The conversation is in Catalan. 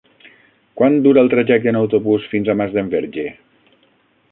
Quant dura el trajecte en autobús fins a Masdenverge?